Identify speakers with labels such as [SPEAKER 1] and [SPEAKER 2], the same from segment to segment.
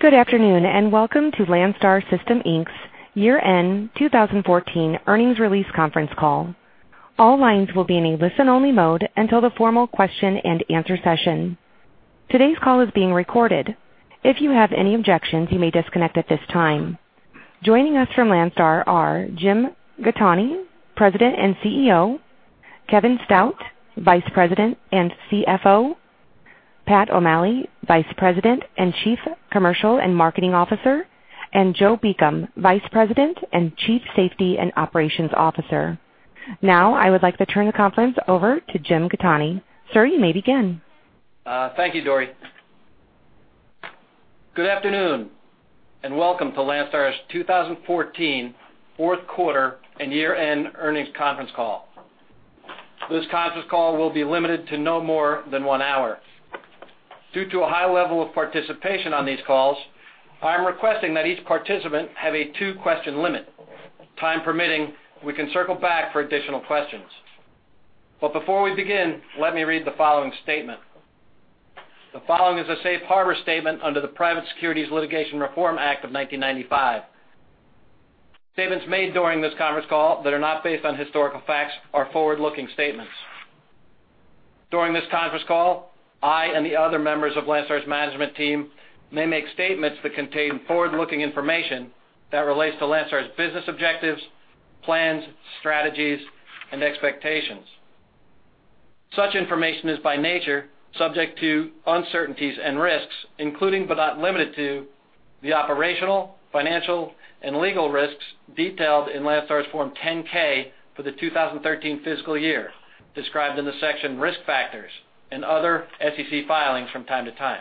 [SPEAKER 1] Good afternoon and welcome to Landstar System Inc.'s Year-End 2014 Earnings Release Conference Call. All lines will be in a listen-only mode until the formal question-and-answer session. Today's call is being recorded. If you have any objections, you may disconnect at this time. Joining us from Landstar are Jim Gattoni, President and CEO; Kevin Stout, Vice President and CFO; Pat O'Malley, Vice President and Chief Commercial and Marketing Officer; and Joe Beacom, Vice President and Chief Safety and Operations Officer. Now, I would like to turn the conference over to Jim Gattoni. Sir, you may begin.
[SPEAKER 2] Thank you, Dory. Good afternoon and welcome to Landstar's 2014 Fourth Quarter and Year-End Earnings Conference Call. This conference call will be limited to no more than one hour. Due to a high level of participation on these calls, I'm requesting that each participant have a two-question limit. Time permitting, we can circle back for additional questions. Before we begin, let me read the following statement. The following is a safe harbor statement under the Private Securities Litigation Reform Act of 1995. Statements made during this conference call that are not based on historical facts are forward-looking statements. During this conference call, I and the other members of Landstar's management team may make statements that contain forward-looking information that relates to Landstar's business objectives, plans, strategies, and expectations. Such information is by nature subject to uncertainties and risks, including but not limited to the operational, financial, and legal risks detailed in Landstar's Form 10-K for the 2013 fiscal year, described in the section Risk Factors and other SEC filings from time to time.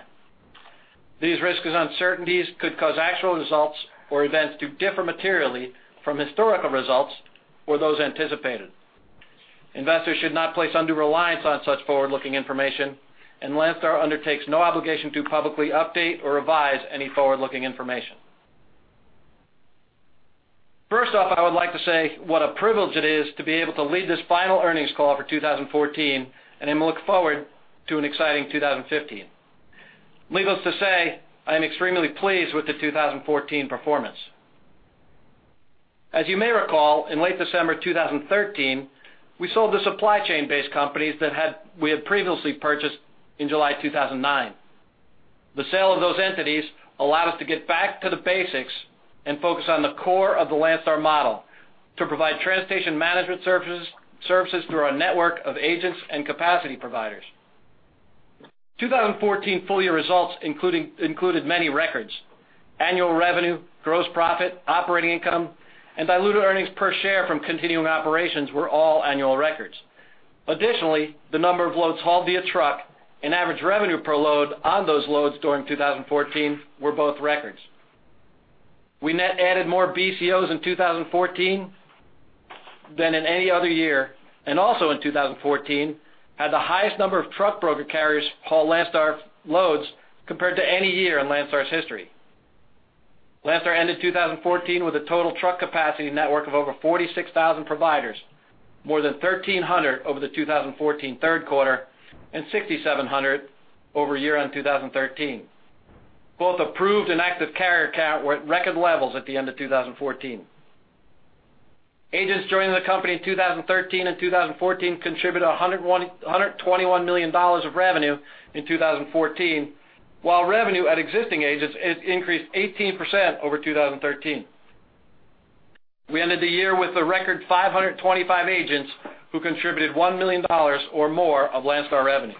[SPEAKER 2] These risks and uncertainties could cause actual results or events to differ materially from historical results or those anticipated. Investors should not place undue reliance on such forward-looking information, and Landstar undertakes no obligation to publicly update or revise any forward-looking information. First off, I would like to say what a privilege it is to be able to lead this final earnings call for 2014, and I'm looking forward to an exciting 2015. Needless to say, I am extremely pleased with the 2014 performance. As you may recall, in late December 2013, we sold the supply chain-based companies that we had previously purchased in July 2009. The sale of those entities allowed us to get back to the basics and focus on the core of the Landstar model to provide transportation management services through our network of agents and capacity providers. 2014 full-year results included many records. Annual revenue, gross profit, operating income, and diluted earnings per share from continuing operations were all annual records. Additionally, the number of loads hauled via truck and average revenue per load on those loads during 2014 were both records. We net added more BCOs in 2014 than in any other year, and also in 2014 had the highest number of truck broker carriers haul Landstar loads compared to any year in Landstar's history. Landstar ended 2014 with a total truck capacity network of over 46,000 providers, more than 1,300 over the 2014 third quarter and 6,700 over year-end 2013. Both approved and active carrier count were at record levels at the end of 2014. Agents joining the company in 2013 and 2014 contributed $121 million of revenue in 2014, while revenue at existing agents increased 18% over 2013. We ended the year with a record 525 agents who contributed $1 million or more of Landstar revenue.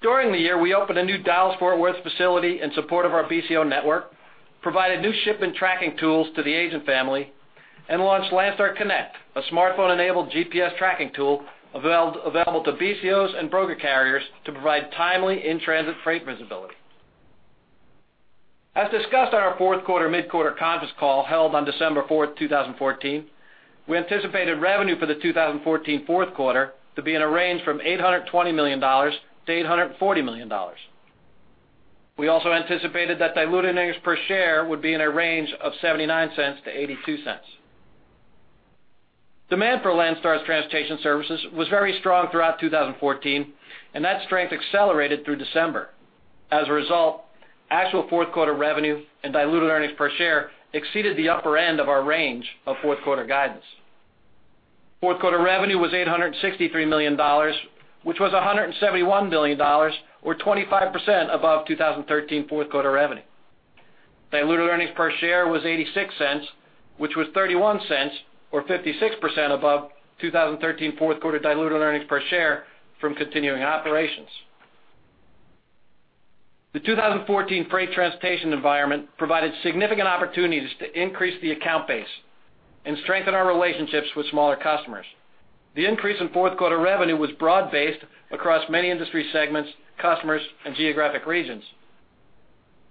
[SPEAKER 2] During the year, we opened a new Dallas, Fort Worth facility in support of our BCO network, provided new shipment tracking tools to the agent family, and launched Landstar Connect, a smartphone-enabled GPS tracking tool available to BCOs and broker carriers to provide timely in-transit freight visibility. As discussed on our Fourth Quarter Mid-Quarter Conference Call held on December 4, 2014, we anticipated revenue for the 2014 Fourth Quarter to be in a range from $820 million-$840 million. We also anticipated that diluted earnings per share would be in a range of 79-82 cents. Demand for Landstar's transportation services was very strong throughout 2014, and that strength accelerated through December. As a result, actual Fourth Quarter revenue and diluted earnings per share exceeded the upper end of our range of Fourth Quarter guidance. Fourth Quarter revenue was $863 million, which was $171 million, or 25% above 2013 Fourth Quarter revenue. Diluted earnings per share was 86 cents, which was 31 cents, or 56% above 2013 Fourth Quarter diluted earnings per share from continuing operations. The 2014 freight transportation environment provided significant opportunities to increase the account base and strengthen our relationships with smaller customers. The increase in Fourth Quarter revenue was broad-based across many industry segments, customers, and geographic regions.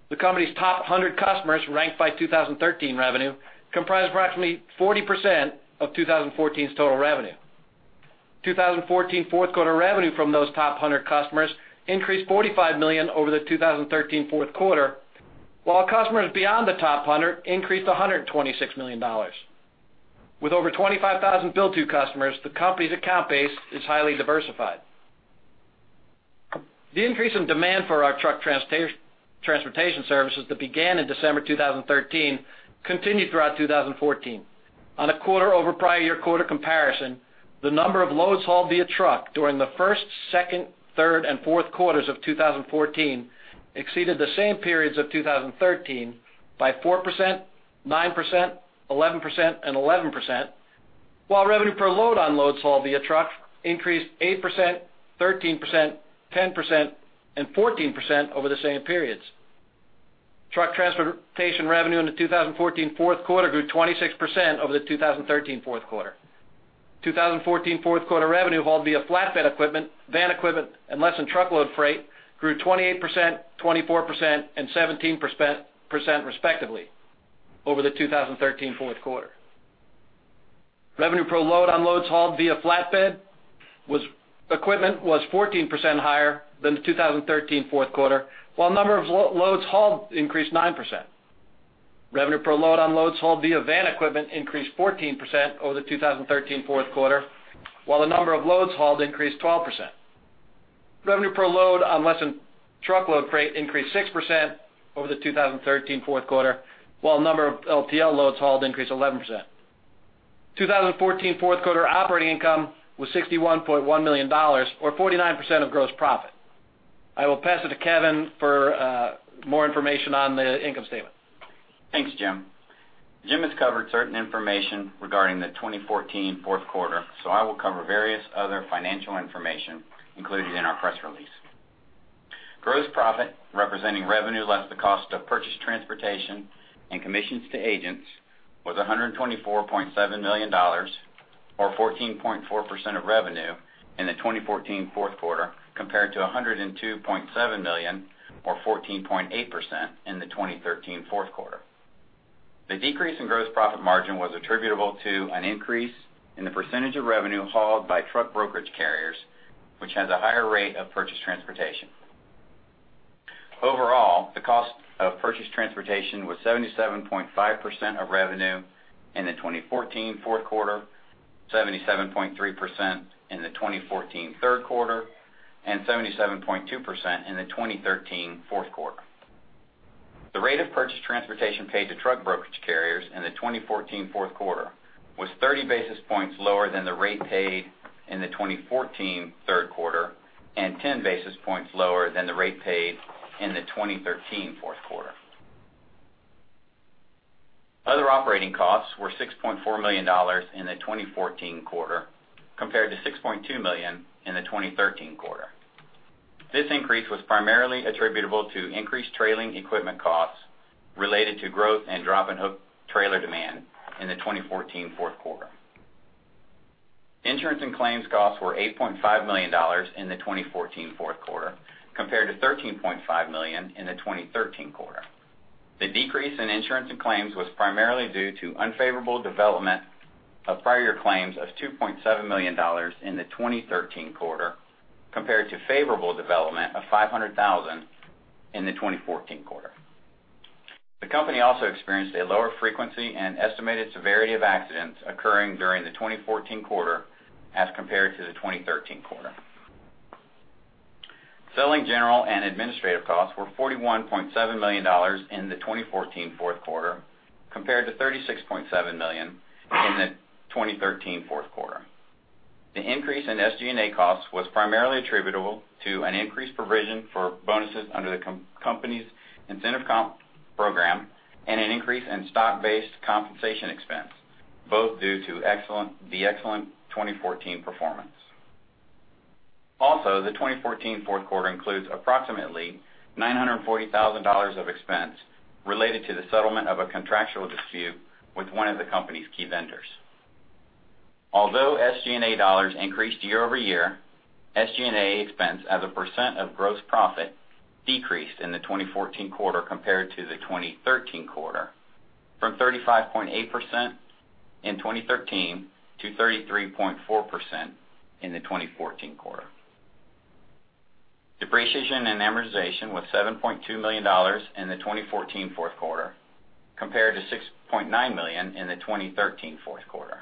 [SPEAKER 2] The company's top 100 customers ranked by 2013 revenue comprised approximately 40% of 2014's total revenue. 2014 Fourth Quarter revenue from those top 100 customers increased $45 million over the 2013 Fourth Quarter, while customers beyond the top 100 increased $126 million. With over 25,000 billed-to customers, the company's account base is highly diversified. The increase in demand for our truck transportation services that began in December 2013 continued throughout 2014. On a quarter-over-prior-year quarter comparison, the number of loads hauled via truck during the first, second, third, and fourth quarters of 2014 exceeded the same periods of 2013 by 4%, 9%, 11%, and 11%, while revenue per load on loads hauled via truck increased 8%, 13%, 10%, and 14% over the same periods. Truck transportation revenue in the 2014 Fourth Quarter grew 26% over the 2013 Fourth Quarter. 2014 Fourth Quarter revenue hauled via flatbed equipment, van equipment, and less-than-truckload freight grew 28%, 24%, and 17% respectively over the 2013 Fourth Quarter. Revenue per load on loads hauled via flatbed equipment was 14% higher than the 2013 Fourth Quarter, while the number of loads hauled increased 9%. Revenue per load on loads hauled via van equipment increased 14% over the 2013 Fourth Quarter, while the number of loads hauled increased 12%. Revenue per load on less-than-truckload freight increased 6% over the 2013 Fourth Quarter, while the number of LTL loads hauled increased 11%. 2014 Fourth Quarter operating income was $61.1 million, or 49% of gross profit. I will pass it to Kevin for more information on the income statement.
[SPEAKER 3] Thanks, Jim. Jim has covered certain information regarding the 2014 Fourth Quarter, so I will cover various other financial information included in our press release. Gross profit, representing revenue less the cost of purchased transportation and commissions to agents, was $124.7 million, or 14.4% of revenue in the 2014 Fourth Quarter, compared to $102.7 million, or 14.8%, in the 2013 Fourth Quarter. The decrease in gross profit margin was attributable to an increase in the percentage of revenue hauled by truck brokerage carriers, which has a higher rate of purchased transportation. Overall, the cost of purchased transportation was 77.5% of revenue in the 2014 Fourth Quarter, 77.3% in the 2014 Third Quarter, and 77.2% in the 2013 Fourth Quarter. The rate of purchased transportation paid to truck brokerage carriers in the 2014 Fourth Quarter was 30 basis points lower than the rate paid in the 2014 Third Quarter and 10 basis points lower than the rate paid in the 2013 Fourth Quarter. Other operating costs were $6.4 million in the 2014 Quarter, compared to $6.2 million in the 2013 Quarter. This increase was primarily attributable to increased trailer equipment costs related to growth and drop-and-hook trailer demand in the 2014 Fourth Quarter. Insurance and claims costs were $8.5 million in the 2014 Fourth Quarter, compared to $13.5 million in the 2013 Quarter. The decrease in insurance and claims was primarily due to unfavorable development of prior-year claims of $2.7 million in the 2013 Quarter, compared to favorable development of $500,000 in the 2014 Quarter. The company also experienced a lower frequency and estimated severity of accidents occurring during the 2014 Quarter as compared to the 2013 Quarter. Selling general and administrative costs were $41.7 million in the 2014 Fourth Quarter, compared to $36.7 million in the 2013 Fourth Quarter. The increase in SG&A costs was primarily attributable to an increased provision for bonuses under the company's incentive comp program and an increase in stock-based compensation expense, both due to the excellent 2014 performance. Also, the 2014 Fourth Quarter includes approximately $940,000 of expense related to the settlement of a contractual dispute with one of the company's key vendors. Although SG&A dollars increased year-over-year, SG&A expense as a percent of gross profit decreased in the 2014 Quarter compared to the 2013 Quarter, from 35.8% in 2013 to 33.4% in the 2014 Quarter. Depreciation and amortization was $7.2 million in the 2014 Fourth Quarter, compared to $6.9 million in the 2013 Fourth Quarter.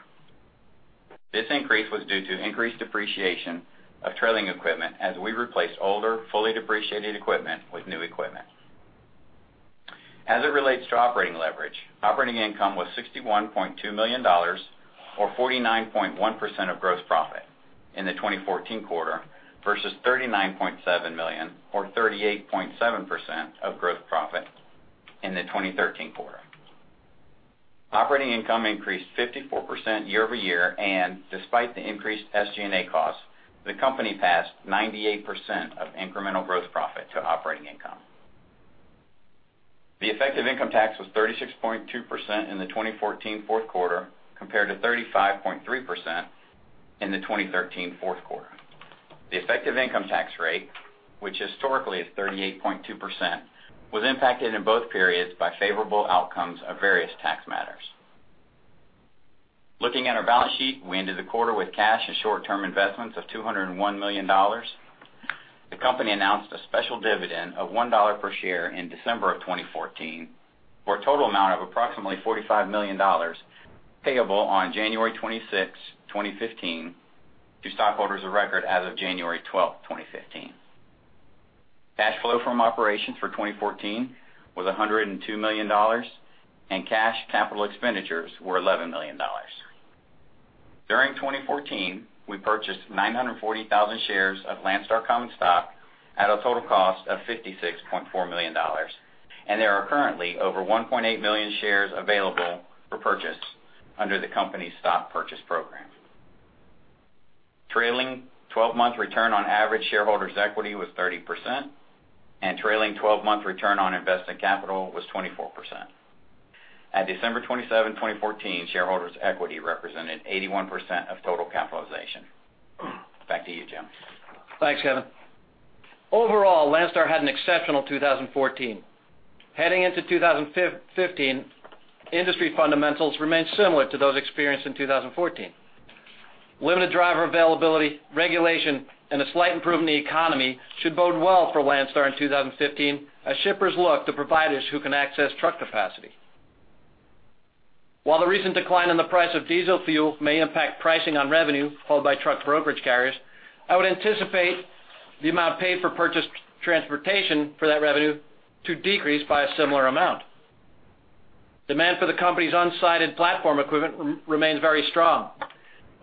[SPEAKER 3] This increase was due to increased depreciation of trailing equipment as we replaced older fully depreciated equipment with new equipment. As it relates to operating leverage, operating income was $61.2 million, or 49.1% of gross profit in the 2014 Quarter, versus $39.7 million, or 38.7% of gross profit in the 2013 Quarter. Operating income increased 54% year-over-year, and despite the increased SG&A costs, the company passed 98% of incremental gross profit to operating income. The effective income tax was 36.2% in the 2014 Fourth Quarter, compared to 35.3% in the 2013 Fourth Quarter. The effective income tax rate, which historically is 38.2%, was impacted in both periods by favorable outcomes of various tax matters. Looking at our balance sheet, we ended the quarter with cash and short-term investments of $201 million. The company announced a special dividend of $1 per share in December of 2014, for a total amount of approximately $45 million payable on January 26, 2015, to stockholders of record as of January 12, 2015. Cash flow from operations for 2014 was $102 million, and cash capital expenditures were $11 million. During 2014, we purchased 940,000 shares of Landstar Common Stock at a total cost of $56.4 million, and there are currently over 1.8 million shares available for purchase under the company's stock purchase program. Trailing 12-month return on average shareholders' equity was 30%, and trailing 12-month return on invested capital was 24%. At December 27, 2014, shareholders' equity represented 81% of total capitalization. Back to you, Jim.
[SPEAKER 2] Thanks, Kevin. Overall, Landstar had an exceptional 2014. Heading into 2015, industry fundamentals remained similar to those experienced in 2014. Limited driver availability, regulation, and a slight improvement in the economy should bode well for Landstar in 2015 as shippers look to providers who can access truck capacity. While the recent decline in the price of diesel fuel may impact pricing on revenue hauled by truck brokerage carriers, I would anticipate the amount paid for purchased transportation for that revenue to decrease by a similar amount. Demand for the company's unsided platform equipment remains very strong.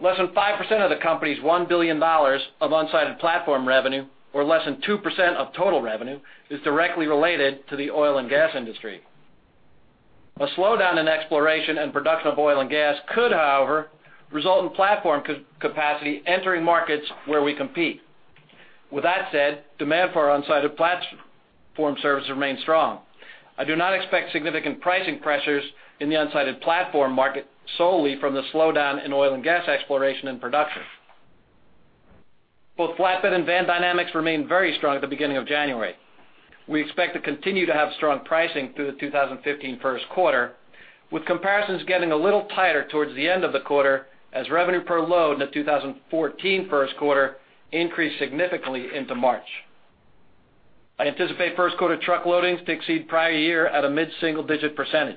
[SPEAKER 2] Less than 5% of the company's $1 billion of unsided platform revenue, or less than 2% of total revenue, is directly related to the oil and gas industry. A slowdown in exploration and production of oil and gas could, however, result in platform capacity entering markets where we compete. With that said, demand for unsided platform services remains strong. I do not expect significant pricing pressures in the unsided platform market solely from the slowdown in oil and gas exploration and production. Both flatbed and van dynamics remained very strong at the beginning of January. We expect to continue to have strong pricing through the 2015 First Quarter, with comparisons getting a little tighter towards the end of the quarter as revenue per load in the 2014 First Quarter increased significantly into March. I anticipate First Quarter truck loadings to exceed prior year at a mid-single-digit %.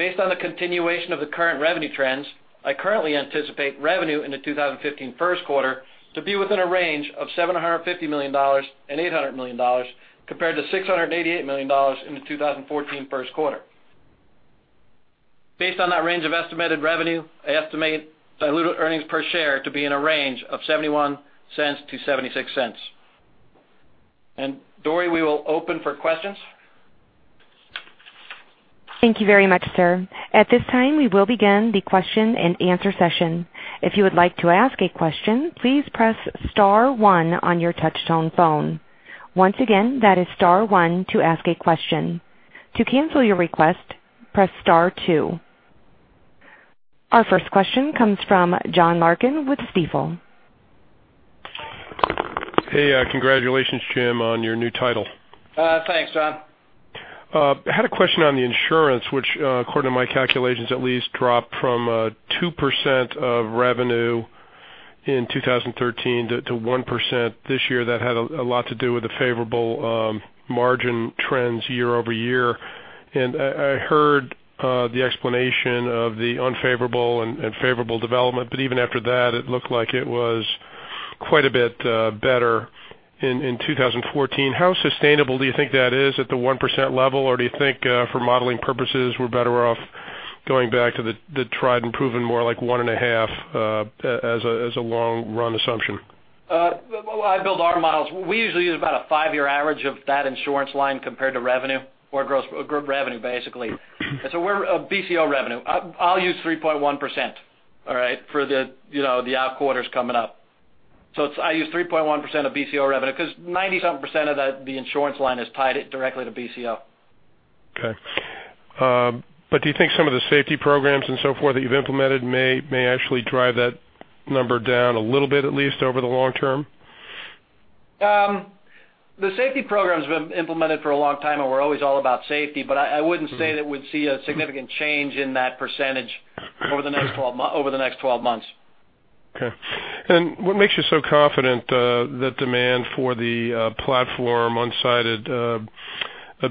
[SPEAKER 2] Based on the continuation of the current revenue trends, I currently anticipate revenue in the 2015 First Quarter to be within a range of $750 million and $800 million, compared to $688 million in the 2014 First Quarter. Based on that range of estimated revenue, I estimate diluted earnings per share to be in a range of $0.71-$0.76. And, Dory, we will open for questions.
[SPEAKER 1] Thank you very much, sir. At this time, we will begin the question-and-answer session. If you would like to ask a question, please press Star 1 on your touch-tone phone. Once again, that is Star 1 to ask a question. To cancel your request, press Star 2. Our first question comes from John Larkin with Stifel.
[SPEAKER 4] Hey, congratulations, Jim, on your new title.
[SPEAKER 2] Thanks, John.
[SPEAKER 4] I had a question on the insurance, which, according to my calculations at least, dropped from 2% of revenue in 2013 to 1%. This year, that had a lot to do with the favorable margin trends year-over-year. I heard the explanation of the unfavorable and favorable development, but even after that, it looked like it was quite a bit better in 2014. How sustainable do you think that is at the 1% level, or do you think, for modeling purposes, we're better off going back to the tried and proven, more like 1.5% as a long-run assumption?
[SPEAKER 2] Well, I build our models. We usually use about a five-year average of that insurance line compared to revenue, or gross revenue, basically. So we're BCO revenue. I'll use 3.1%, all right, for the out quarters coming up. So I use 3.1% of BCO revenue because 90-something% of the insurance line is tied directly to BCO.
[SPEAKER 4] Okay. But do you think some of the safety programs and so forth that you've implemented may actually drive that number down a little bit, at least over the long term?
[SPEAKER 2] The safety programs have been implemented for a long time, and we're always all about safety, but I wouldn't say that we'd see a significant change in that percentage over the next 12 months.
[SPEAKER 4] Okay. What makes you so confident that demand for the platform unsided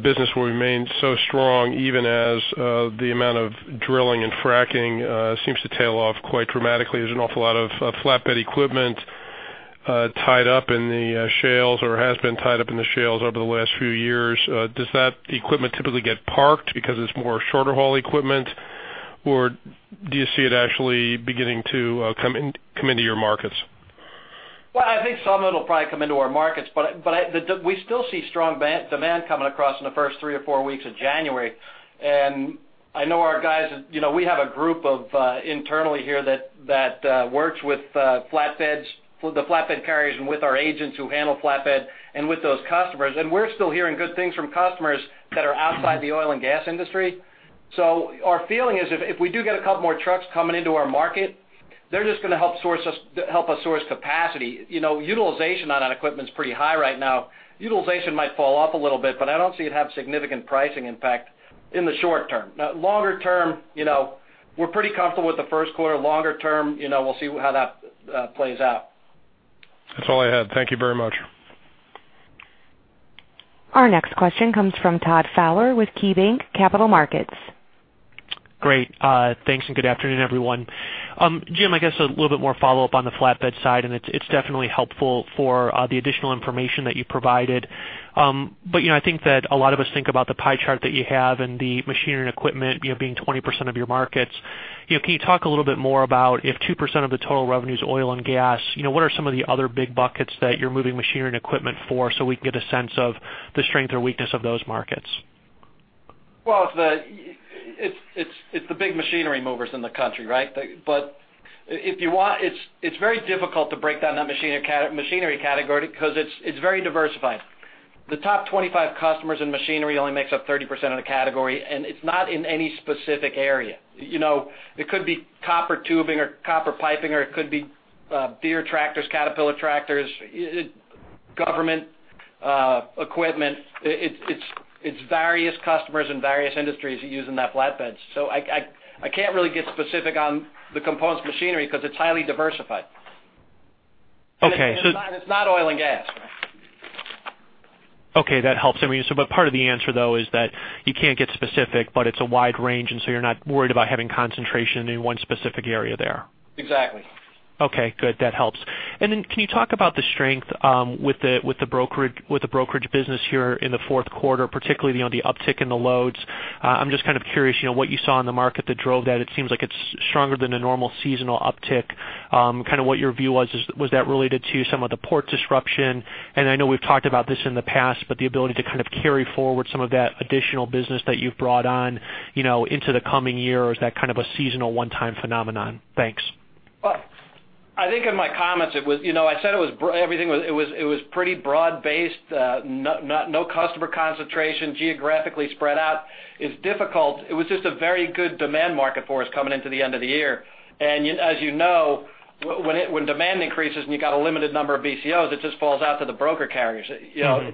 [SPEAKER 4] business will remain so strong, even as the amount of drilling and fracking seems to tail off quite dramatically? There's an awful lot of flatbed equipment tied up in the shales or has been tied up in the shales over the last few years. Does that equipment typically get parked because it's more shorter-haul equipment, or do you see it actually beginning to come into your markets?
[SPEAKER 2] Well, I think some of it will probably come into our markets, but we still see strong demand coming across in the first three or four weeks of January. I know our guys—we have a group internally here that works with the flatbed carriers and with our agents who handle flatbed and with those customers. We're still hearing good things from customers that are outside the oil and gas industry. Our feeling is, if we do get a couple more trucks coming into our market, they're just going to help us source capacity. Utilization on that equipment is pretty high right now. Utilization might fall off a little bit, but I don't see it have significant pricing impact in the short term. Now, longer term, we're pretty comfortable with the first quarter. Longer term, we'll see how that plays out.
[SPEAKER 4] That's all I had. Thank you very much.
[SPEAKER 1] Our next question comes from Todd Fowler with KeyBanc Capital Markets.
[SPEAKER 5] Great. Thanks and good afternoon, everyone. Jim, I guess a little bit more follow-up on the flatbed side, and it's definitely helpful for the additional information that you provided. But I think that a lot of us think about the pie chart that you have and the machinery and equipment being 20% of your markets. Can you talk a little bit more about if 2% of the total revenue is oil and gas, what are some of the other big buckets that you're moving machinery and equipment for so we can get a sense of the strength or weakness of those markets?
[SPEAKER 2] Well, it's the big machinery movers in the country, right? But if you want, it's very difficult to break down that machinery category because it's very diversified. The top 25 customers in machinery only make up 30% of the category, and it's not in any specific area. It could be copper tubing or copper piping, or it could be Deere tractors, Caterpillar tractors, government equipment. It's various customers in various industries using that flatbed. So I can't really get specific on the components of machinery because it's highly diversified. Okay. So.
[SPEAKER 5] It's not oil and gas, right? Okay. That helps. But part of the answer, though, is that you can't get specific, but it's a wide range, and so you're not worried about having concentration in one specific area there.
[SPEAKER 2] Exactly.
[SPEAKER 5] Okay. Good. That helps. And then can you talk about the strength with the brokerage business here in the fourth quarter, particularly the uptick in the loads? I'm just kind of curious what you saw in the market that drove that. It seems like it's stronger than a normal seasonal uptick. Kind of what your view was, was that related to some of the port disruption? And I know we've talked about this in the past, but the ability to kind of carry forward some of that additional business that you've brought on into the coming year or is that kind of a seasonal one-time phenomenon? Thanks.
[SPEAKER 2] Well, I think in my comments, I said everything was pretty broad-based, no customer concentration, geographically spread out. It was just a very good demand market for us coming into the end of the year. And as you know, when demand increases and you've got a limited number of BCOs, it just falls out to the broker carriers.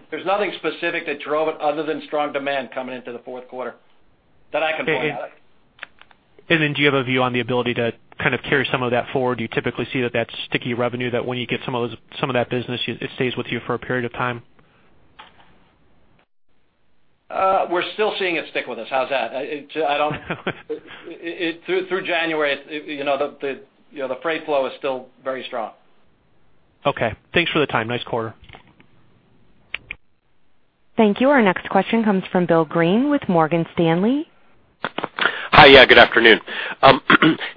[SPEAKER 2] There's nothing specific that drove it other than strong demand coming into the fourth quarter that I can point out.
[SPEAKER 5] And then do you have a view on the ability to kind of carry some of that forward? Do you typically see that that sticky revenue, that when you get some of that business, it stays with you for a period of time?
[SPEAKER 2] We're still seeing it stick with us. How's that? Through January, the freight flow is still very strong.
[SPEAKER 4] Okay. Thanks for the time. Nice quarter.
[SPEAKER 1] Thank you. Our next question comes from Bill Greene with Morgan Stanley.
[SPEAKER 6] Hi. Yeah, good afternoon.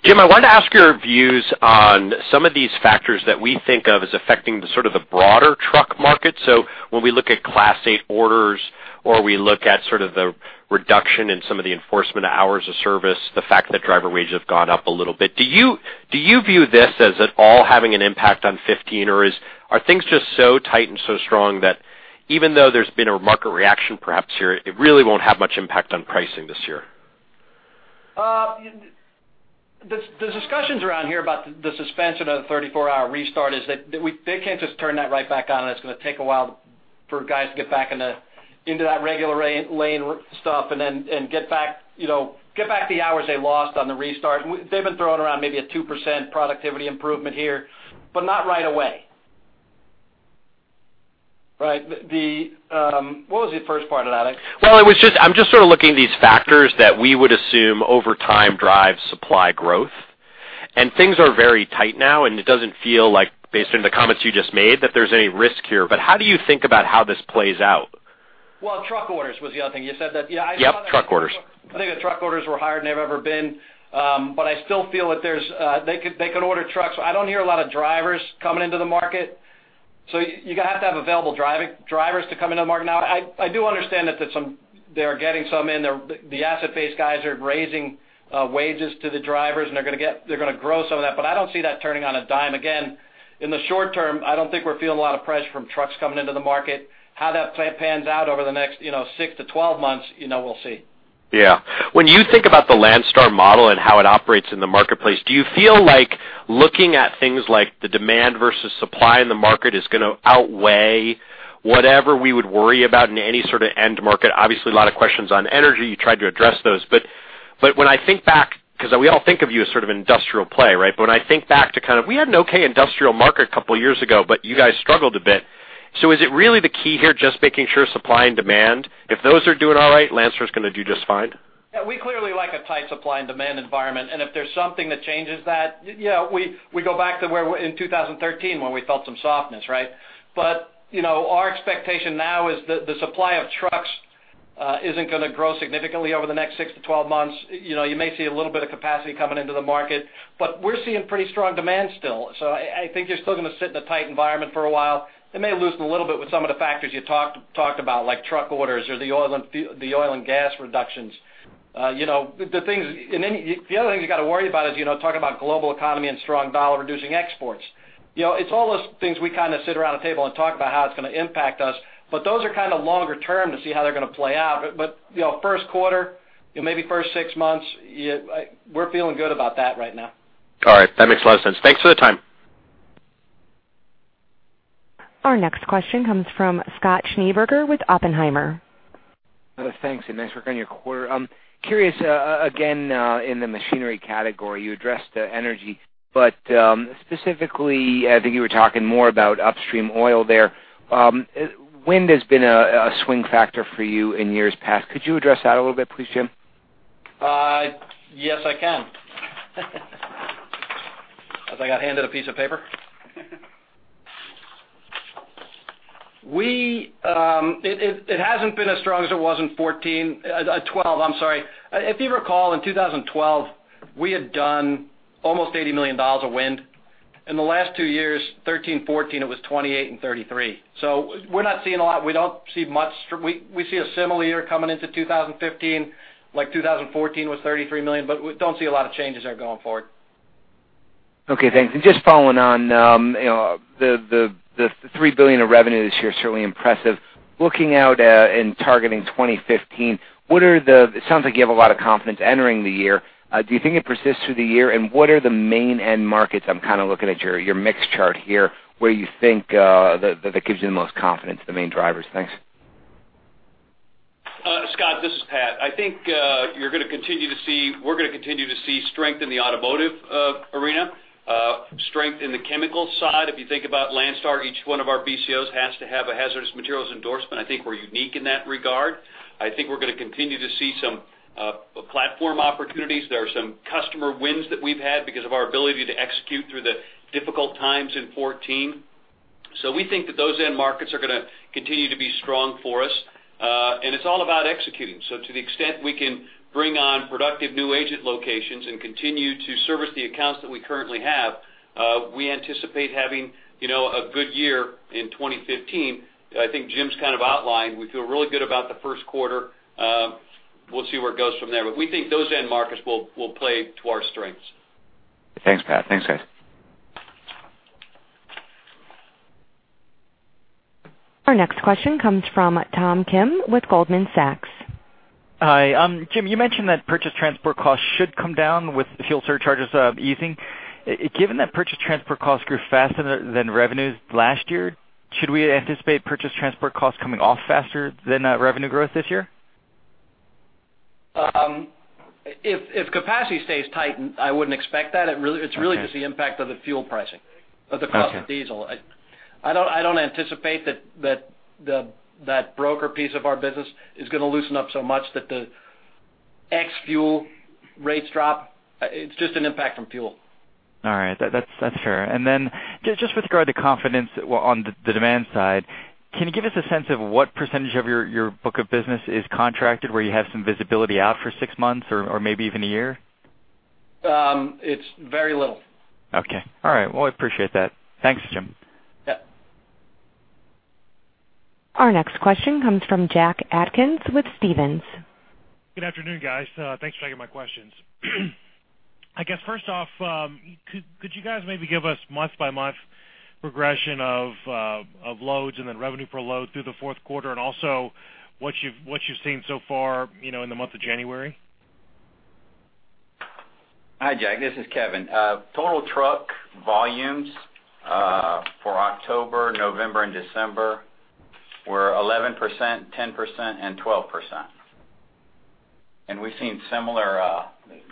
[SPEAKER 6] Jim, I wanted to ask your views on some of these factors that we think of as affecting sort of the broader truck market. So when we look at Class 8 orders or we look at sort of the reduction in some of the enforcement of hours of service, the fact that driver wages have gone up a little bit, do you view this as at all having an impact on 2015, or are things just so tight and so strong that even though there's been a market reaction perhaps here, it really won't have much impact on pricing this year?
[SPEAKER 2] The discussions around here about the suspension of the 34-hour restart is that they can't just turn that right back on, and it's going to take a while for guys to get back into that regular lane stuff and get back the hours they lost on the restart. They've been throwing around maybe a 2% productivity improvement here, but not right away. Right? What was the first part of that?
[SPEAKER 6] Well, I'm just sort of looking at these factors that we would assume over time drive supply growth. Things are very tight now, and it doesn't feel like, based on the comments you just made, that there's any risk here. But how do you think about how this plays out?
[SPEAKER 2] Well, truck orders was the other thing. You said that, yeah?
[SPEAKER 6] Yep, truck orders.
[SPEAKER 2] I think the truck orders were higher than they've ever been, but I still feel that they can order trucks. I don't hear a lot of drivers coming into the market. So you're going to have to have available drivers to come into the market. Now, I do understand that they're getting some in. The asset-based guys are raising wages to the drivers, and they're going to grow some of that. But I don't see that turning on a dime. Again, in the short term, I don't think we're feeling a lot of pressure from trucks coming into the market. How that pans out over the next 6-12 months, we'll see.
[SPEAKER 6] Yeah. When you think about the Landstar model and how it operates in the marketplace, do you feel like looking at things like the demand versus supply in the market is going to outweigh whatever we would worry about in any sort of end market? Obviously, a lot of questions on energy. You tried to address those. But when I think back because we all think of you as sort of industrial play, right? But when I think back to kind of we had an okay industrial market a couple of years ago, but you guys struggled a bit. So is it really the key here just making sure supply and demand? If those are doing all right, Landstar is going to do just fine?
[SPEAKER 2] Yeah. We clearly like a tight supply and demand environment. And if there's something that changes that, yeah, we go back to where in 2013 when we felt some softness, right? But our expectation now is that the supply of trucks isn't going to grow significantly over the next 6-12 months. You may see a little bit of capacity coming into the market, but we're seeing pretty strong demand still. So I think you're still going to sit in a tight environment for a while. It may loosen a little bit with some of the factors you talked about, like truck orders or the oil and gas reductions. The other things you've got to worry about is talking about global economy and strong dollar-reducing exports. It's all those things we kind of sit around a table and talk about how it's going to impact us, but those are kind of longer term to see how they're going to play out. But first quarter, maybe first six months, we're feeling good about that right now.
[SPEAKER 6] All right. That makes a lot of sense. Thanks for the time.
[SPEAKER 1] Our next question comes from Scott Schneeberger with Oppenheimer.
[SPEAKER 7] Thanks, and thanks for coming to your quarter. Curious, again, in the machinery category, you addressed energy, but specifically, I think you were talking more about upstream oil there. Wind has been a swing factor for you in years past. Could you address that a little bit, please, Jim?
[SPEAKER 2] Yes, I can, as I got handed a piece of paper. It hasn't been as strong as it was in 2014, 2012, I'm sorry. If you recall, in 2012, we had done almost $80 million of wind. In the last two years, 2013, 2014, it was $28 and $33. So we're not seeing a lot. We don't see much. We see a similar year coming into 2015. Like 2014 was $33 million, but we don't see a lot of changes there going forward.
[SPEAKER 7] Okay. Thanks. Just following on, the $3 billion of revenue this year is certainly impressive. Looking out and targeting 2015, what are the--it sounds like you have a lot of confidence entering the year. Do you think it persists through the year? And what are the main end markets? I'm kind of looking at your mixed chart here where you think that gives you the most confidence, the main drivers. Thanks.
[SPEAKER 8] Scott, this is Pat. I think you're going to continue to see, we're going to continue to see strength in the automotive arena, strength in the chemical side. If you think about Landstar, each one of our BCOs has to have a hazardous materials endorsement. I think we're unique in that regard. I think we're going to continue to see some platform opportunities. There are some customer wins that we've had because of our ability to execute through the difficult times in 2014. So we think that those end markets are going to continue to be strong for us. And it's all about executing. So to the extent we can bring on productive new agent locations and continue to service the accounts that we currently have, we anticipate having a good year in 2015. I think Jim's kind of outlined. We feel really good about the first quarter. We'll see where it goes from there. But we think those end markets will play to our strengths.
[SPEAKER 7] Thanks, Pat. Thanks, guys.
[SPEAKER 1] Our next question comes from Tom Kim with Goldman Sachs.
[SPEAKER 9] Hi. Jim, you mentioned that purchased transportation costs should come down with fuel surcharges easing. Given that purchased transportation costs grew faster than revenues last year, should we anticipate purchased transportation costs coming off faster than revenue growth this year?
[SPEAKER 2] If capacity stays tight, I wouldn't expect that. It's really just the impact of the fuel pricing, of the cost of diesel. I don't anticipate that that broker piece of our business is going to loosen up so much that the ex-fuel rates drop. It's just an impact from fuel.
[SPEAKER 9] All right. That's fair. And then just with regard to confidence on the demand side, can you give us a sense of what percentage of your book of business is contracted where you have some visibility out for six months or maybe even a year?
[SPEAKER 2] It's very little.
[SPEAKER 9] Okay. All right. Well, I appreciate that. Thanks, Jim.
[SPEAKER 2] Yep.
[SPEAKER 1] Our next question comes from Jack Atkins with Stephens.
[SPEAKER 10] Good afternoon, guys. Thanks for taking my questions. I guess, first off, could you guys maybe give us month-by-month progression of loads and then revenue per load through the fourth quarter and also what you've seen so far in the month of January?
[SPEAKER 3] Hi, Jack. This is Kevin. Total truck volumes for October, November, and December were 11%, 10%, and 12%. And we've seen similar,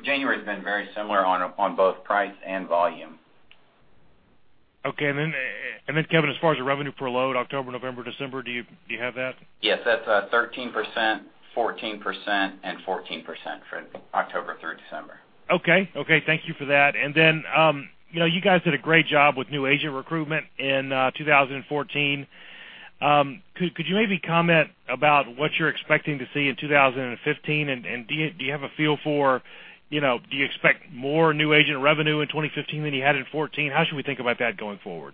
[SPEAKER 3] January has been very similar on both price and volume.
[SPEAKER 10] Okay. And then, Kevin, as far as the revenue per load, October, November, December, do you have that?
[SPEAKER 3] Yes. That's 13%, 14%, and 14% for October through December.
[SPEAKER 10] Okay. Okay. Thank you for that. And then you guys did a great job with new agent recruitment in 2014. Could you maybe comment about what you're expecting to see in 2015? And do you expect more new agent revenue in 2015 than you had in 2014? How should we think about that going forward?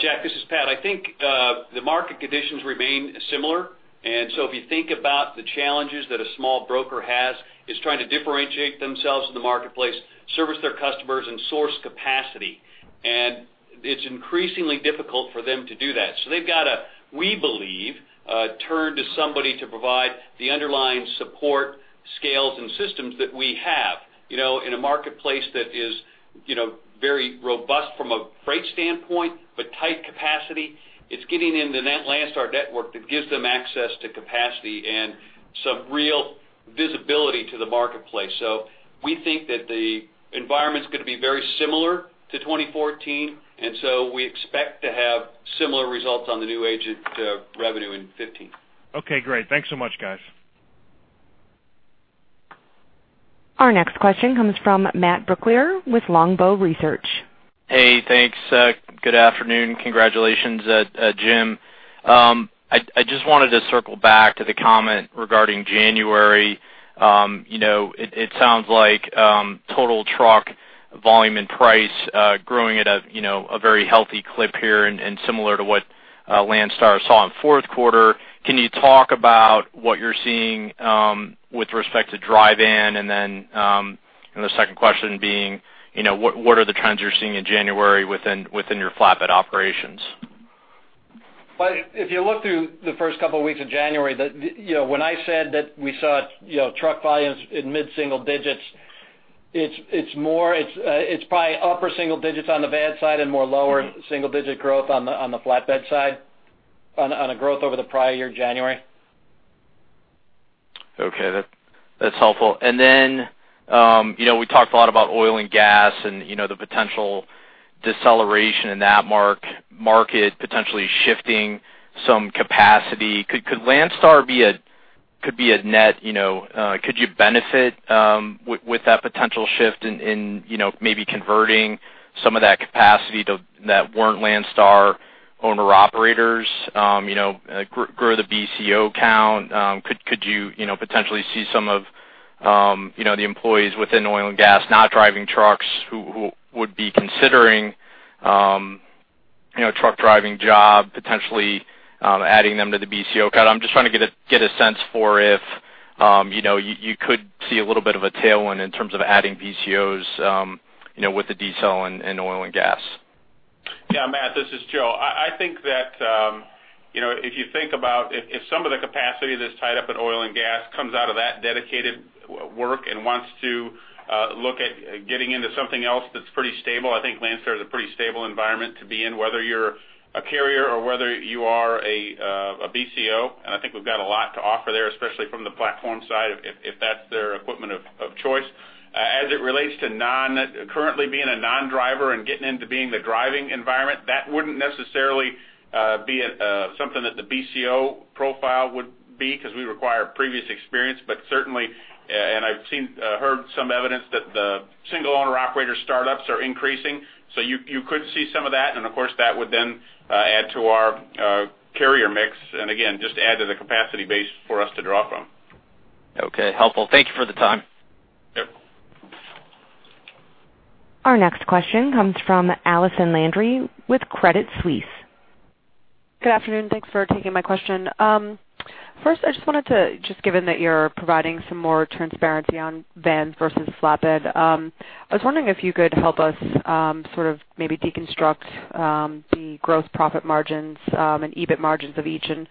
[SPEAKER 8] Jack, this is Pat. I think the market conditions remain similar. And so if you think about the challenges that a small broker has is trying to differentiate themselves in the marketplace, service their customers, and source capacity. And it's increasingly difficult for them to do that. So they've got to, we believe, turn to somebody to provide the underlying support, scales, and systems that we have in a marketplace that is very robust from a freight standpoint, but tight capacity. It's getting into that Landstar network that gives them access to capacity and some real visibility to the marketplace. So we think that the environment's going to be very similar to 2014. And so we expect to have similar results on the new agent revenue in 2015.
[SPEAKER 10] Okay. Great. Thanks so much, guys.
[SPEAKER 1] Our next question comes from Matt Brooklier with Longbow Research.
[SPEAKER 11] Hey, thanks. Good afternoon. Congratulations, Jim. I just wanted to circle back to the comment regarding January. It sounds like total truck volume and price growing at a very healthy clip here and similar to what Landstar saw in fourth quarter. Can you talk about what you're seeing with respect to dry van? And then the second question being, what are the trends you're seeing in January within your flatbed operations?
[SPEAKER 2] Well, if you look through the first couple of weeks of January, when I said that we saw truck volumes in mid-single digits, it's probably upper single digits on the van side and more lower single-digit growth on the flatbed side, on a growth over the prior year, January.
[SPEAKER 11] Okay. That's helpful. And then we talked a lot about oil and gas and the potential deceleration in that market, potentially shifting some capacity. Could Landstar be a net-could you benefit with that potential shift in maybe converting some of that capacity that weren't Landstar owner-operators, grow the BCO count? Could you potentially see some of the employees within oil and gas not driving trucks who would be considering a truck-driving job, potentially adding them to the BCO count? I'm just trying to get a sense for if you could see a little bit of a tailwind in terms of adding BCOs with the decline and oil and gas.
[SPEAKER 12] Yeah. Matt, this is Joe. I think that if you think about if some of the capacity that's tied up in oil and gas comes out of that dedicated work and wants to look at getting into something else that's pretty stable, I think Landstar is a pretty stable environment to be in, whether you're a carrier or whether you are a BCO. And I think we've got a lot to offer there, especially from the platform side, if that's their equipment of choice. As it relates to currently being a non-driver and getting into being the driving environment, that wouldn't necessarily be something that the BCO profile would be because we require previous experience. But certainly, and I've heard some evidence that the single-owner-operator startups are increasing. So you could see some of that. And of course, that would then add to our carrier mix. Again, just add to the capacity base for us to draw from.
[SPEAKER 11] Okay. Helpful. Thank you for the time.
[SPEAKER 12] Yep.
[SPEAKER 1] Our next question comes from Allison Landry with Credit Suisse.
[SPEAKER 13] Good afternoon. Thanks for taking my question. First, I just wanted to, given that you're providing some more transparency on vans versus flatbed, I was wondering if you could help us sort of maybe deconstruct the gross profit margins and EBIT margins of each and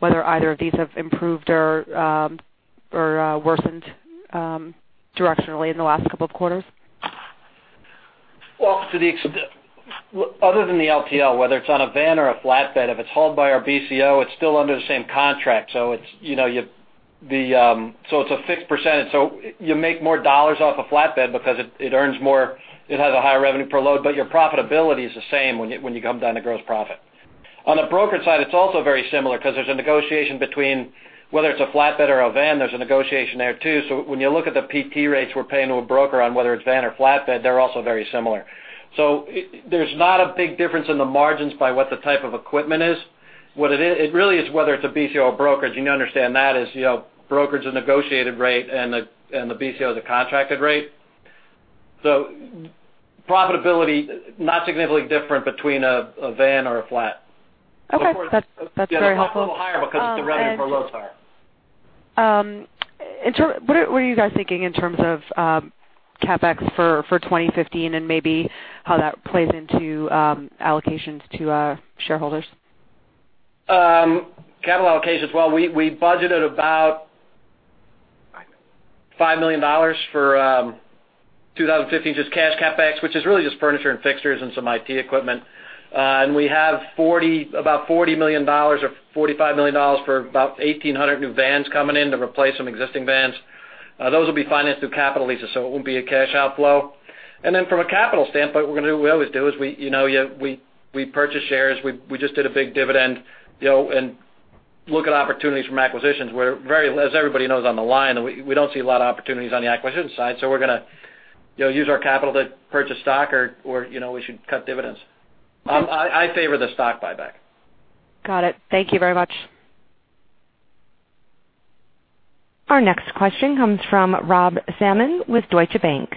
[SPEAKER 13] whether either of these have improved or worsened directionally in the last couple of quarters. Well, other than the LTL, whether it's on a van or a flatbed, if it's hauled by our BCO, it's still under the same contract. So it's a fixed percentage. So you make more dollars off a flatbed because it earns more. It has a higher revenue per load, but your profitability is the same when you come down to gross profit. On the broker side, it's also very similar because there's a negotiation between whether it's a flatbed or a van. There's a negotiation there too. So when you look at the PT rates we're paying to a broker on whether it's van or flatbed, they're also very similar. So there's not a big difference in the margins by what the type of equipment is. It really is whether it's a BCO or broker. Do you understand that? Broker is a negotiated rate, and the BCO is a contracted rate. So profitability, not significantly different between a van or a flat. Okay. That's very helpful.
[SPEAKER 2] It's a little higher because the revenue per load's higher.
[SPEAKER 13] What are you guys thinking in terms of CapEx for 2015 and maybe how that plays into allocations to shareholders?
[SPEAKER 2] Capital allocations, well, we budgeted about $5 million for 2015, just cash CapEx, which is really just furniture and fixtures and some IT equipment. And we have about $40 million or $45 million for about 1,800 new vans coming in to replace some existing vans. Those will be financed through capital leases, so it won't be a cash outflow. And then from a capital standpoint, what we always do is we purchase shares. We just did a big dividend and look at opportunities from acquisitions. As everybody knows on the line, we don't see a lot of opportunities on the acquisition side. So we're going to use our capital to purchase stock, or we should cut dividends. I favor the stock buyback.
[SPEAKER 13] Got it. Thank you very much.
[SPEAKER 1] Our next question comes from Rob Salmon with Deutsche Bank.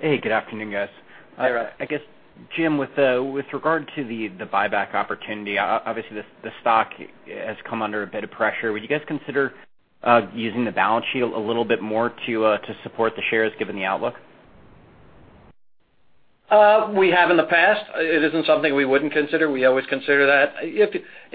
[SPEAKER 14] Hey, good afternoon, guys. I guess, Jim, with regard to the buyback opportunity, obviously, the stock has come under a bit of pressure. Would you guys consider using the balance sheet a little bit more to support the shares given the outlook?
[SPEAKER 2] We have in the past. It isn't something we wouldn't consider. We always consider that. If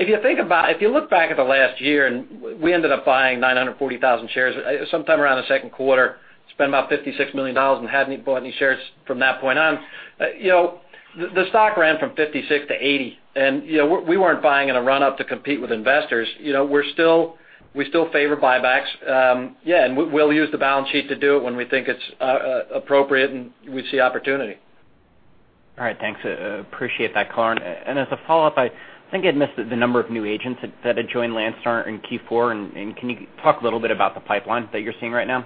[SPEAKER 2] you think about it, if you look back at the last year, we ended up buying 940,000 shares sometime around the second quarter, spent about $56 million, and hadn't bought any shares from that point on. The stock ran from $56-$80. We weren't buying in a run-up to compete with investors. We still favor buybacks. Yeah. We'll use the balance sheet to do it when we think it's appropriate and we see opportunity.
[SPEAKER 14] All right. Thanks. Appreciate that, color. As a follow-up, I think I missed the number of new agents that had joined Landstar in Q4. Can you talk a little bit about the pipeline that you're seeing right now?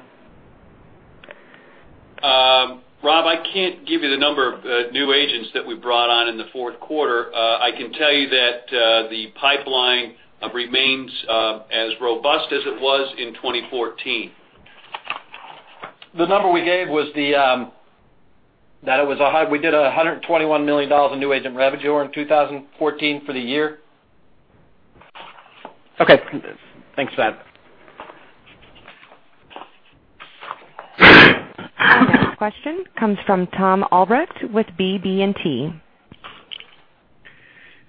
[SPEAKER 2] Rob, I can't give you the number of new agents that we brought on in the fourth quarter. I can tell you that the pipeline remains as robust as it was in 2014. The number we gave was that it was a high. We did $121 million in new agent revenue in 2014 for the year.
[SPEAKER 14] Okay. Thanks, Matt.
[SPEAKER 1] Our next question comes from Tom Albrecht with BB&T.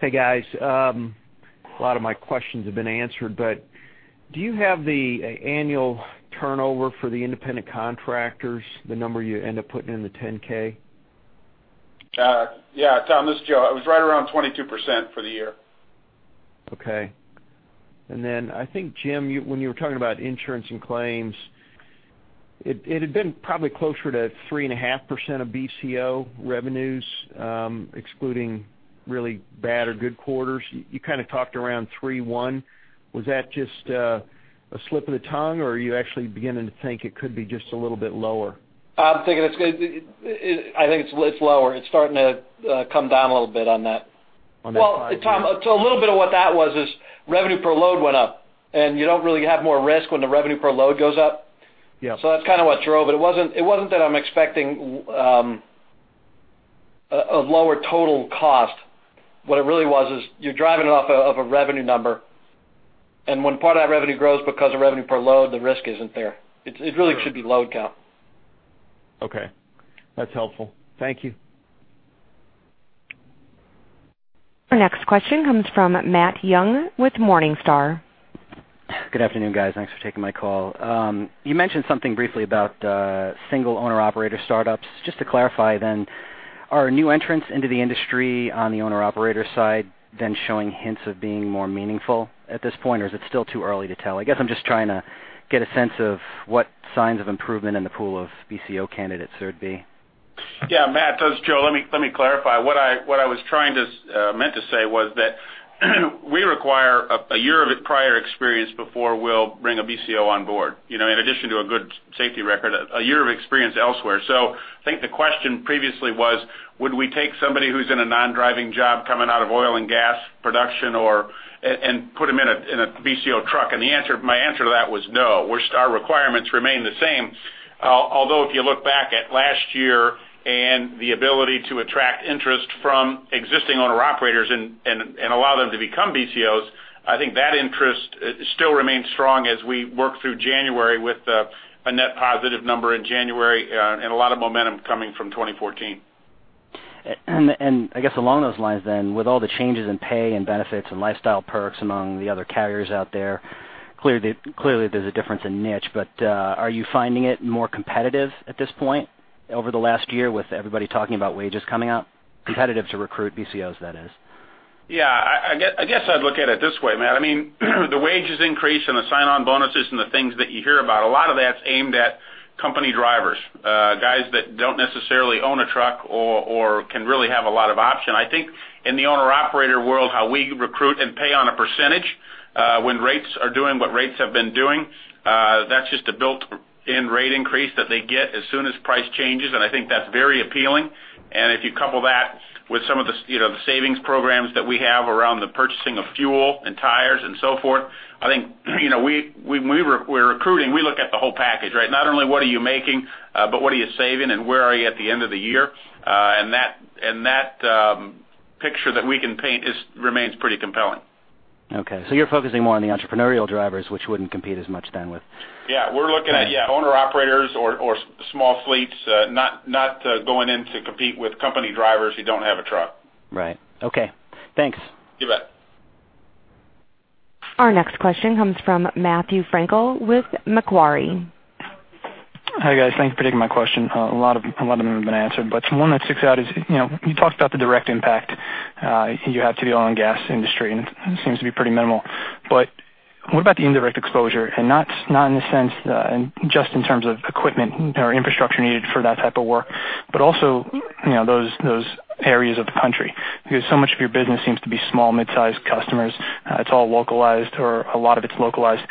[SPEAKER 15] Hey, guys. A lot of my questions have been answered, but do you have the annual turnover for the independent contractors, the number you end up putting in the 10-K?
[SPEAKER 12] Yeah. Tom, this is Joe. It was right around 22% for the year.
[SPEAKER 15] Okay. And then I think, Jim, when you were talking about insurance and claims, it had been probably closer to 3.5% of BCO revenues, excluding really bad or good quarters. You kind of talked around 3.1%. Was that just a slip of the tongue, or are you actually beginning to think it could be just a little bit lower?
[SPEAKER 12] I'm thinking it's lower. It's starting to come down a little bit on that. On that side. Well, Tom, a little bit of what that was is revenue per load went up. And you don't really have more risk when the revenue per load goes up. So that's kind of what drove. It wasn't that I'm expecting a lower total cost. What it really was is you're driving it off of a revenue number. And when part of that revenue grows because of revenue per load, the risk isn't there. It really should be load count.
[SPEAKER 15] Okay. That's helpful. Thank you.
[SPEAKER 1] Our next question comes from Matt Young with Morningstar.
[SPEAKER 16] Good afternoon, guys. Thanks for taking my call. You mentioned something briefly about single-owner-operator startups. Just to clarify then, are new entrants into the industry on the owner-operator side then showing hints of being more meaningful at this point, or is it still too early to tell? I guess I'm just trying to get a sense of what signs of improvement in the pool of BCO candidates there would be.
[SPEAKER 12] Yeah. Matt, that's Joe. Let me clarify. What I meant to say was that we require a year of prior experience before we'll bring a BCO on board, in addition to a good safety record, a year of experience elsewhere. So I think the question previously was, would we take somebody who's in a non-driving job coming out of oil and gas production and put them in a BCO truck? And my answer to that was no. Our requirements remain the same. Although if you look back at last year and the ability to attract interest from existing owner-operators and allow them to become BCOs, I think that interest still remains strong as we work through January with a net positive number in January and a lot of momentum coming from 2014.
[SPEAKER 16] I guess along those lines then, with all the changes in pay and benefits and lifestyle perks among the other carriers out there, clearly there's a difference in niche. But are you finding it more competitive at this point over the last year with everybody talking about wages coming up? Competitive to recruit BCOs, that is.
[SPEAKER 12] Yeah. I guess I'd look at it this way, Matt. I mean, the wages increase and the sign-on bonuses and the things that you hear about, a lot of that's aimed at company drivers, guys that don't necessarily own a truck or can really have a lot of option. I think in the owner-operator world, how we recruit and pay on a percentage when rates are doing what rates have been doing, that's just a built-in rate increase that they get as soon as price changes. And I think that's very appealing. And if you couple that with some of the savings programs that we have around the purchasing of fuel and tires and so forth, I think when we're recruiting, we look at the whole package, right? Not only what are you making, but what are you saving and where are you at the end of the year. That picture that we can paint remains pretty compelling.
[SPEAKER 16] Okay. So you're focusing more on the entrepreneurial drivers, which wouldn't compete as much then with.
[SPEAKER 12] Yeah. We're looking at, yeah, owner-operators or small fleets, not going in to compete with company drivers who don't have a truck.
[SPEAKER 16] Right. Okay. Thanks.
[SPEAKER 12] You bet.
[SPEAKER 1] Our next question comes from Matthew Frankel with Macquarie.
[SPEAKER 17] Hi guys. Thanks for taking my question. A lot of them have been answered. But one that sticks out is you talked about the direct impact you have to the oil and gas industry, and it seems to be pretty minimal. But what about the indirect exposure? And not in the sense just in terms of equipment or infrastructure needed for that type of work, but also those areas of the country. Because so much of your business seems to be small, mid-sized customers. It's all localized, or a lot of it's localized.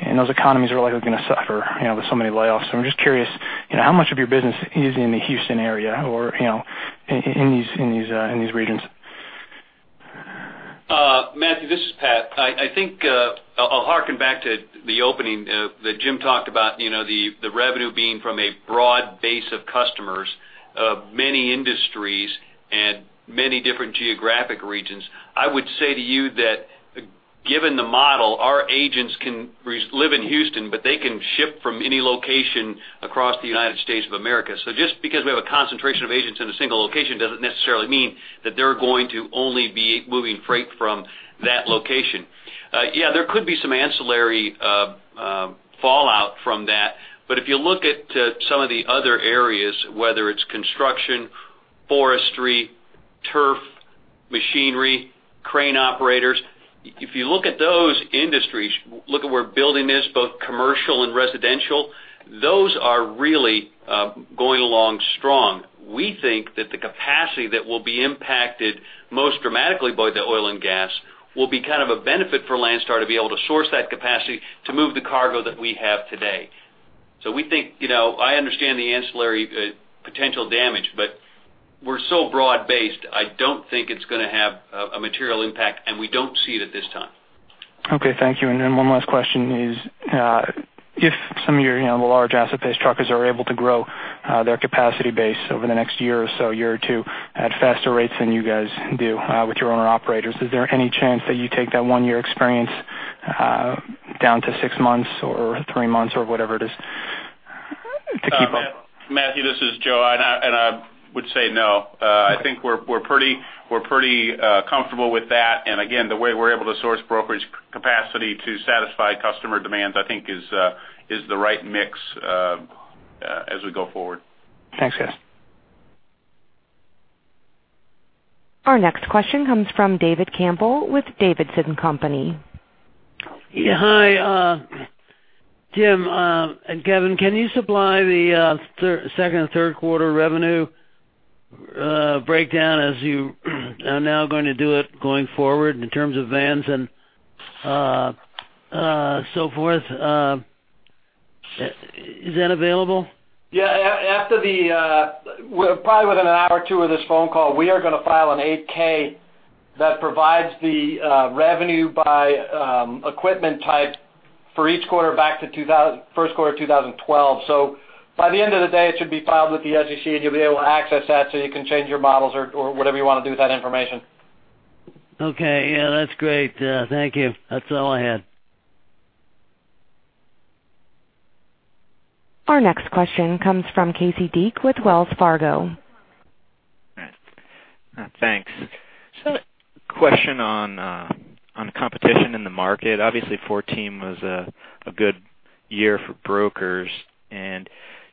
[SPEAKER 17] And those economies are likely going to suffer with so many layoffs. So I'm just curious, how much of your business is in the Houston area or in these regions?
[SPEAKER 8] Matthew, this is Pat. I think I'll hearken back to the opening that Jim talked about, the revenue being from a broad base of customers of many industries and many different geographic regions. I would say to you that given the model, our agents can live in Houston, but they can ship from any location across the United States of America. So just because we have a concentration of agents in a single location doesn't necessarily mean that they're going to only be moving freight from that location. Yeah, there could be some ancillary fallout from that. But if you look at some of the other areas, whether it's construction, forestry, turf, machinery, crane operators, if you look at those industries, look at where building is, both commercial and residential, those are really going along strong. We think that the capacity that will be impacted most dramatically by the oil and gas will be kind of a benefit for Landstar to be able to source that capacity to move the cargo that we have today. So I understand the ancillary potential damage, but we're so broad-based, I don't think it's going to have a material impact, and we don't see it at this time.
[SPEAKER 17] Okay. Thank you. And then one last question is, if some of your large asset-based truckers are able to grow their capacity base over the next year or so, year or two, at faster rates than you guys do with your owner-operators, is there any chance that you take that one-year experience down to six months or three months or whatever it is to keep up?
[SPEAKER 12] Matthew, this is Joe. And I would say no. I think we're pretty comfortable with that. And again, the way we're able to source brokerage capacity to satisfy customer demands, I think, is the right mix as we go forward.
[SPEAKER 17] Thanks, guys.
[SPEAKER 1] Our next question comes from David Campbell with D.A. Davidson & Co.
[SPEAKER 18] Hi, Jim and Kevin. Can you supply the second and third quarter revenue breakdown as you are now going to do it going forward in terms of vans and so forth? Is that available?
[SPEAKER 2] Yeah. Probably within an hour or two of this phone call, we are going to file an 8-K that provides the revenue by equipment type for each quarter back to first quarter of 2012. So by the end of the day, it should be filed with the SEC, and you'll be able to access that so you can change your models or whatever you want to do with that information.
[SPEAKER 18] Okay. Yeah. That's great. Thank you. That's all I had.
[SPEAKER 1] Our next question comes from Casey Deak with Wells Fargo.
[SPEAKER 19] Thanks. So question on competition in the market. Obviously, 2014 was a good year for brokers.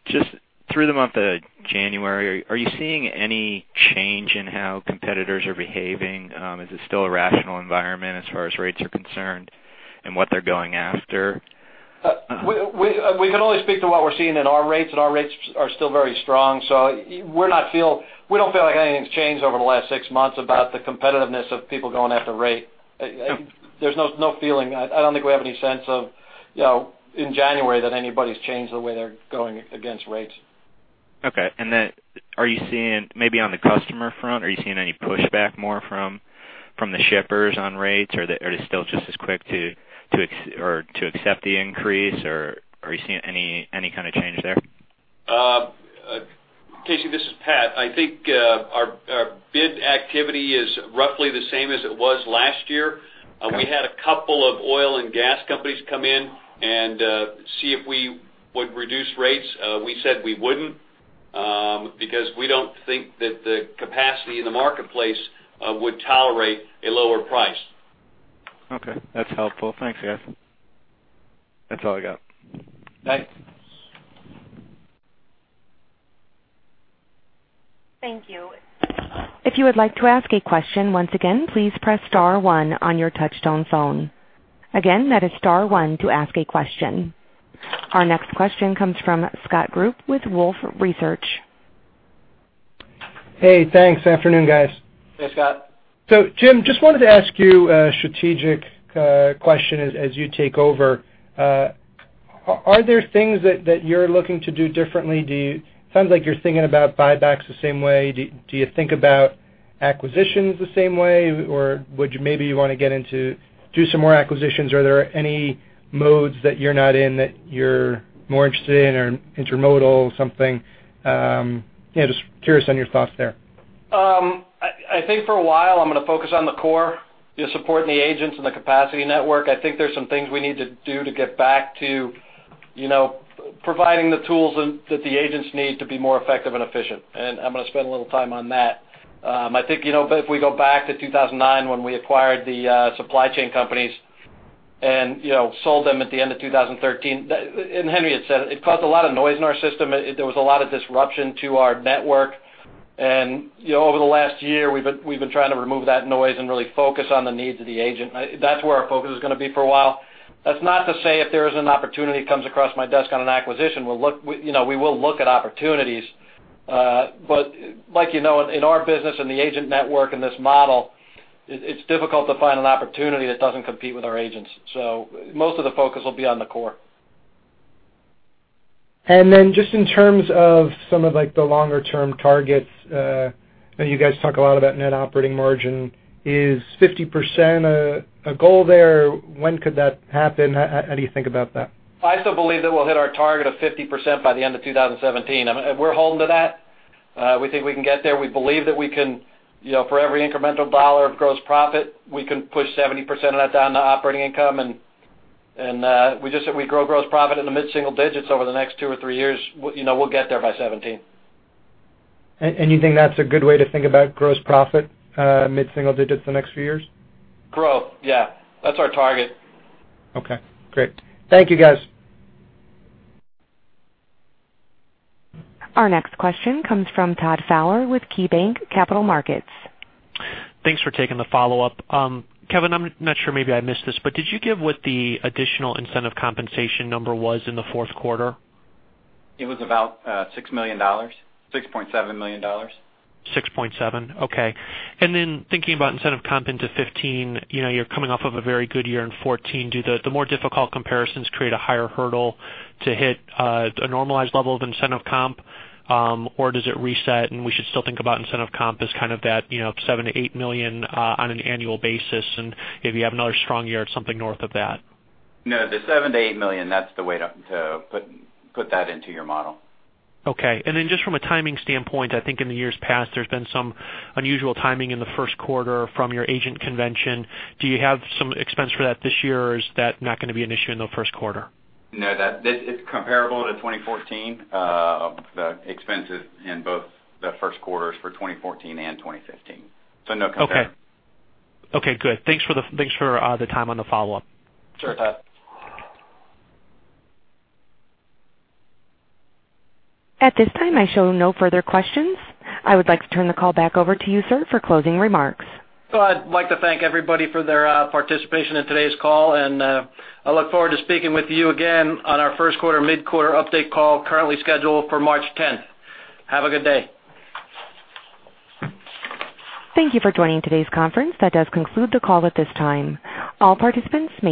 [SPEAKER 19] Just through the month of January, are you seeing any change in how competitors are behaving? Is it still a rational environment as far as rates are concerned and what they're going after?
[SPEAKER 2] We can only speak to what we're seeing in our rates, and our rates are still very strong. So we don't feel like anything's changed over the last six months about the competitiveness of people going after rate. There's no feeling. I don't think we have any sense in January that anybody's changed the way they're going against rates.
[SPEAKER 19] Okay. And then are you seeing maybe on the customer front, are you seeing any pushback more from the shippers on rates, or are they still just as quick to accept the increase, or are you seeing any kind of change there?
[SPEAKER 8] Casey, this is Pat. I think our bid activity is roughly the same as it was last year. We had a couple of oil and gas companies come in and see if we would reduce rates. We said we wouldn't because we don't think that the capacity in the marketplace would tolerate a lower price.
[SPEAKER 19] Okay. That's helpful. Thanks, guys. That's all I got.
[SPEAKER 8] Thanks. Thank you.
[SPEAKER 1] If you would like to ask a question, once again, please press star one on your touch-tone phone. Again, that is star one to ask a question. Our next question comes from Scott Group with Wolfe Research.
[SPEAKER 20] Hey. Thanks. Afternoon, guys.
[SPEAKER 2] Hey, Scott.
[SPEAKER 21] So Jim, just wanted to ask you a strategic question as you take over. Are there things that you're looking to do differently? Sounds like you're thinking about buybacks the same way. Do you think about acquisitions the same way, or maybe you want to do some more acquisitions? Are there any modes that you're not in that you're more interested in or intermodal or something? Just curious on your thoughts there.
[SPEAKER 2] I think for a while, I'm going to focus on the core, supporting the agents and the capacity network. I think there's some things we need to do to get back to providing the tools that the agents need to be more effective and efficient. And I'm going to spend a little time on that. I think if we go back to 2009 when we acquired the supply chain companies and sold them at the end of 2013, and Henry had said it caused a lot of noise in our system. There was a lot of disruption to our network. And over the last year, we've been trying to remove that noise and really focus on the needs of the agent. That's where our focus is going to be for a while. That's not to say if there is an opportunity that comes across my desk on an acquisition, we will look at opportunities. But like in our business and the agent network and this model, it's difficult to find an opportunity that doesn't compete with our agents. So most of the focus will be on the core.
[SPEAKER 20] And then just in terms of some of the longer-term targets, you guys talk a lot about net operating margin. Is 50% a goal there? When could that happen? How do you think about that?
[SPEAKER 2] I still believe that we'll hit our target of 50% by the end of 2017. We're holding to that. We think we can get there. We believe that we, for every incremental dollar of gross profit, we can push 70% of that down to operating income. We grow gross profit into mid-single digits over the next two or three years. We'll get there by 2017.
[SPEAKER 20] You think that's a good way to think about gross profit, mid-single digits the next few years?
[SPEAKER 2] Growth. Yeah. That's our target.
[SPEAKER 20] Okay. Great. Thank you, guys.
[SPEAKER 1] Our next question comes from Todd Fowler with KeyBanc Capital Markets.
[SPEAKER 5] Thanks for taking the follow-up. Kevin, I'm not sure maybe I missed this, but did you give what the additional incentive compensation number was in the fourth quarter?
[SPEAKER 3] It was about $6 million, $6.7 million.
[SPEAKER 5] $6.7. Okay. And then thinking about incentive comp into 2015, you're coming off of a very good year in 2014. Do the more difficult comparisons create a higher hurdle to hit a normalized level of incentive comp, or does it reset and we should still think about incentive comp as kind of that $7 million-$8 million on an annual basis? And if you have another strong year, it's something north of that.
[SPEAKER 3] No. The $7-8 million, that's the way to put that into your model.
[SPEAKER 5] Okay. And then just from a timing standpoint, I think in the years past, there's been some unusual timing in the first quarter from your agent convention. Do you have some expense for that this year, or is that not going to be an issue in the first quarter?
[SPEAKER 3] No. It's comparable to 2014, the expenses in both the first quarters for 2014 and 2015. So no comparison.
[SPEAKER 5] Okay. Okay. Good. Thanks for the time on the follow-up.
[SPEAKER 3] Sure, Todd.
[SPEAKER 1] At this time, I show no further questions. I would like to turn the call back over to you, sir, for closing remarks.
[SPEAKER 2] I'd like to thank everybody for their participation in today's call. I look forward to speaking with you again on our first quarter, mid-quarter update call currently scheduled for March 10th. Have a good day.
[SPEAKER 1] Thank you for joining today's conference. That does conclude the call at this time. All participants may.